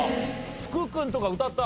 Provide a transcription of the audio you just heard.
福君とか歌った？